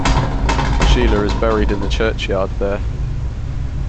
Sheila is buried in the churchyard there.